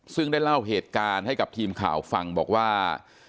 ซึ่งได้เล่าเหตุการณ์ให้กับทีมข่าวฟังบอกว่า